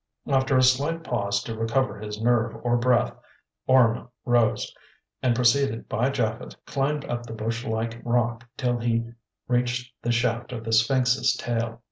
After a slight pause to recover his nerve or breath, Orme rose, and preceded by Japhet, climbed up the bush like rock till he reached the shaft of the sphinx's tail.